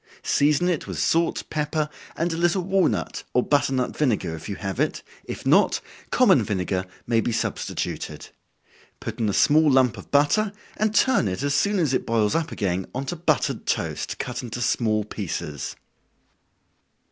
Season it with salt, pepper, and a little walnut, or butternut vinegar, if you have it, if not, common vinegar may be substituted. Put in a small lump of butter, and turn it as soon as it boils up again on to buttered toast, cut into small pieces.